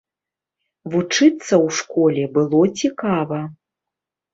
Вучыцца ў школе было цікава.